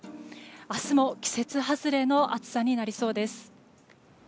明日も季節外れの暑さになりそうです。